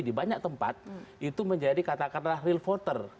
di banyak tempat itu menjadi katakanlah real voter